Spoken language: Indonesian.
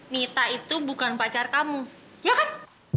nita itu bukan pacar kamu ya kan